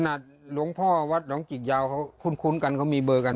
ขนาดหลวงพ่อวัดหลองกิคเยาเหมือนกันขมีเบอร์กัน